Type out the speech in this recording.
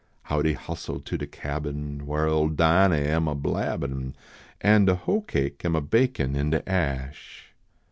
How dey hustle to de cabin, "\Yhar ole Dinah am a blabbin An de hoe cake am a bakin in de ash.